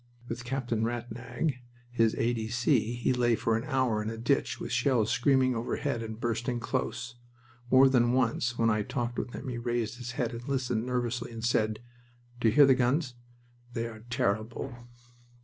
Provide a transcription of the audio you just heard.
With Captain Rattnag his A. D. C. he lay for an hour in a ditch with shells screaming overhead and bursting close. More than once when I talked with him he raised his head and listened nervously and said: "Do you hear the guns?... They are terrible."